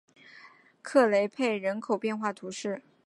克雷佩人口变化图示